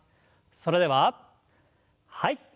それでははい。